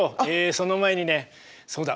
その前にねそうだ。